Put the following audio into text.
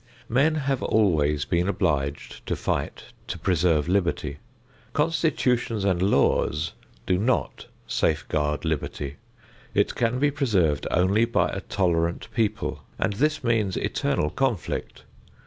Men have always been obliged to fight to preserve liberty. Constitutions and laws do not safeguard liberty. It can be preserved only by a tolerant people, and this means eternal conflict.